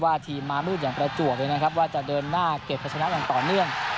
ทีมมามืดอย่างประจวบเลยนะครับว่าจะเดินหน้าเก็บพัชนะอย่างต่อเนื่อง